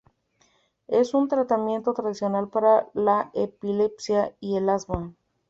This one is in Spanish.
Es un tratamiento tradicional para la epilepsia y el asma.